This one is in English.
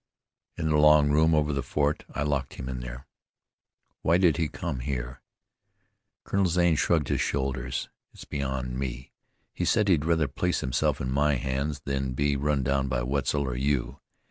"In the long room over the fort. I locked him in there." "Why did he come here?" Colonel Zane shrugged his shoulders. "It's beyond me. He said he'd rather place himself in my hands than be run down by Wetzel or you.